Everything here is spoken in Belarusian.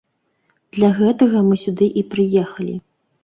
Для гэтага мы сюды і прыехалі.